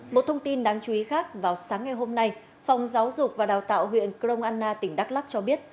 một thông tin đáng chú ý khác vào sáng ngày hôm nay phòng giáo dục và đào tạo huyện crong anna tỉnh đắk lắc cho biết